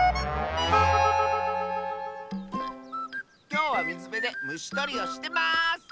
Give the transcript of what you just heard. きょうはみずべでむしとりをしてます！